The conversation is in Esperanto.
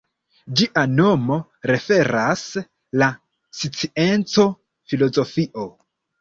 Ĝia nomo referas la scienco filozofio.